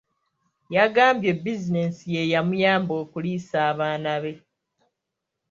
Yagambye bizinensi yeyamuyamba okuliisa abaana be.